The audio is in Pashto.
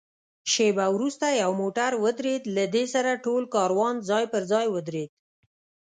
شېبه وروسته یو موټر ودرېد، له دې سره ټول کاروان ځای پر ځای ودرېد.